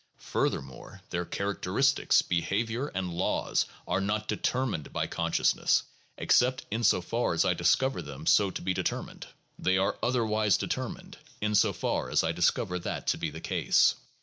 Furthermore, their characteristics, behavior, and laws are not determined by consciousness, except in so far as I discover them so to be determined. They are otherwise determined in so far as I discover that to be the case.